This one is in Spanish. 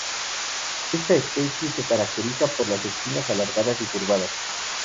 Esta especie se caracteriza por las espinas alargadas y curvadas.